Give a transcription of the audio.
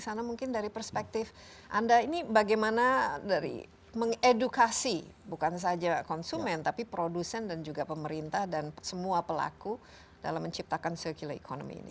di sana mungkin dari perspektif anda ini bagaimana dari mengedukasi bukan saja konsumen tapi produsen dan juga pemerintah dan semua pelaku dalam menciptakan circular economy ini